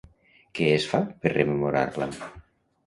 Què es fa per rememorar-la?